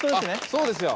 そうですよ！